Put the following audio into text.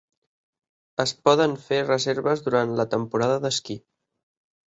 Es poden fer reserves durant la temporada d'esquí.